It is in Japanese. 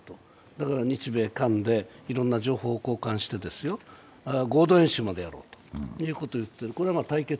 だから日米韓でいろいろな情報を交換して、合同演習までやろうということを言っている。